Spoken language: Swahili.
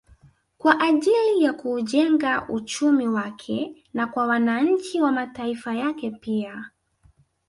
Kwa ajili ya kuujenga uchumi wake na kwa wananchi wa mataifa yake pia